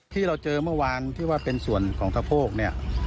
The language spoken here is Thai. ที่เราเจอเมื่อวานที่ว่าเป็นส่วนของสะโพกเนี่ย